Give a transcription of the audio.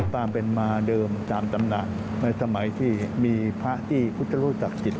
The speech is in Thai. ความเป็นมาเดิมตามตำหนักในสมัยที่มีพระที่พุทธรูปศักดิ์สิทธิ